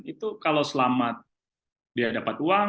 itu kalau selamat dia dapat uang